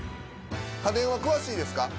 家電は詳しいですか？